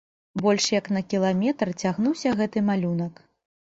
Больш як на кіламетр цягнуўся гэты малюнак.